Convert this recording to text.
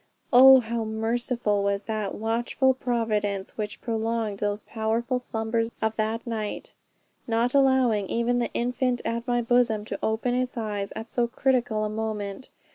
Oh how merciful was that watchful Providence which prolonged those powerful slumbers of that night, not allowing even the infant at my bosom to open its eyes at so critical a moment.